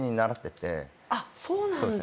あっそうなんだ。